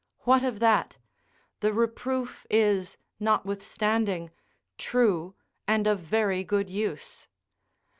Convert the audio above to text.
What of that? The reproof is, notwithstanding, true and of very good use.